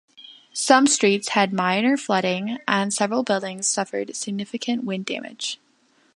Some streets had minor flooding, and several buildings suffered significant wind damage.